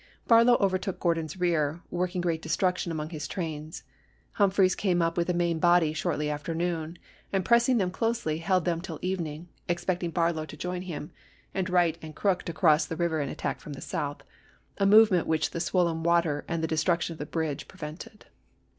Barlow overtook Gordon's rear, working great destruction among his trains. Humphreys came up with the main body shortly after noon, and pressing them closely held them till evening, expecting Barlow to join him, and Wright and Crook to cross the river and attack from the south, a movement which the swollen water and the de struction of the bridge prevented.